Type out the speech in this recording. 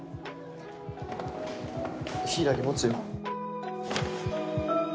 柊持つよ。